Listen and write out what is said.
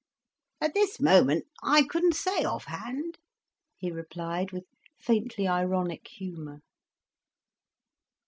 "At this moment, I couldn't say off hand," he replied, with faintly ironic humour.